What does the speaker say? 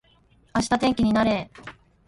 明日天気になれー